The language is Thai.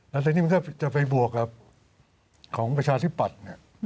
แล้วแต่นี่มันก็จะไปบวกกับของประชาธิปัตย์